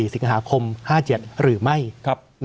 ๒๔สิงหาคม๕๗หรือไม่นะครับ